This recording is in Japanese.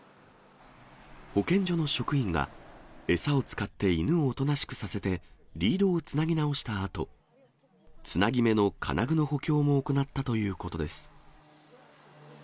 保健所の職員が餌を使って犬をおとなしくさせて、リードをつなぎ直したあと、つなぎ目の金具の補強も行ったということです。